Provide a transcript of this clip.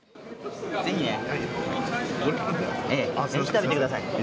ぜひ食べてください。